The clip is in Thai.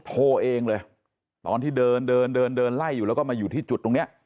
โทรเองเลยตอนที่เดินไล่อยู่แล้วก็มาอยู่ที่จุดตรงนี้